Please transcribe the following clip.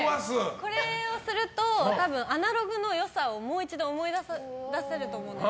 これをすると、多分アナログの良さをもう一度思い出せると思うんです。